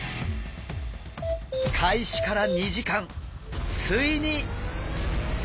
開始から２時間ついに！